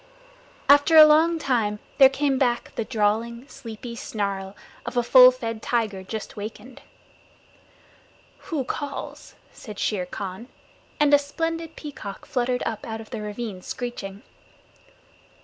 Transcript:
After a long time there came back the drawling, sleepy snarl of a full fed tiger just wakened. "Who calls?" said Shere Khan, and a splendid peacock fluttered up out of the ravine screeching.